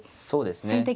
そうですね。